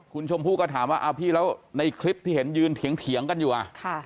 คุณชมพู่ก็ถามว่าเอาพี่แล้วในคลิปที่เห็นยืนเถียงกันอยู่